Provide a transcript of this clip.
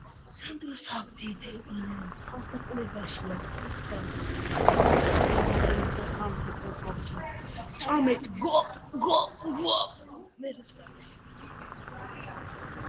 ამის შემდეგ ყველაფერი ძირფესვიანად შეიცვალა.